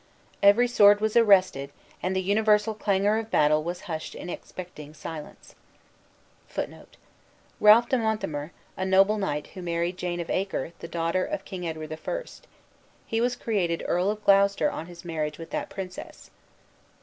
Every sword was arrested, and the universal clangor of battle was hushed in expecting silence. Ralph de Monthermer, a noble knight who married Jane of Acre, the daughter of King Edward I. He was created Earl of Gloucester on his marriage with that princess.